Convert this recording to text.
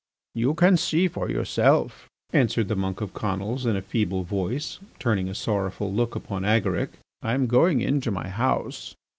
"You can see for yourself," answered the monk of Conils in a feeble voice, turning a sorrowful look upon Agaric. "I am going into my house."